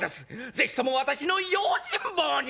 ぜひとも私の用心棒に。